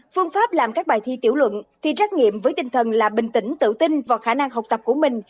phương pháp làm các bài thi tiểu luận thi trắc nghiệm với tinh thần là bình tĩnh tự tin và khả năng học tập của mình